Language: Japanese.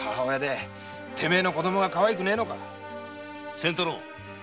仙太郎。